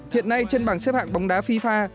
hiện nay trên bảng xếp hạng bóng đá fifa